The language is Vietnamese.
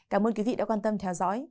cảm ơn quý vị đã quan tâm theo dõi